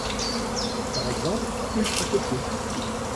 Par exemple Ultracopier.